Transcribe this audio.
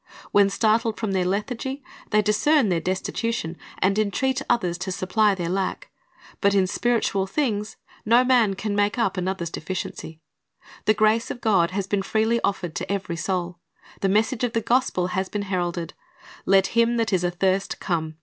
When startled from their lethargy, they discern their destitution, and entreat others to supply their lack; but in spiritual things no man can make up lEze. 33:31 2 2 Tim. 3:1 5 412 Christ's Object Lessons another's deficiency. The grace of God has been freely offered to every soul. The message of the gospel has been heralded, "Let him that is athirst come.